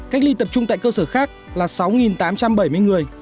cách ly tập trung tại cơ sở khác là sáu tám trăm bảy mươi người